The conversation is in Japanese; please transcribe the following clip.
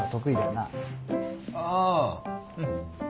あーうん。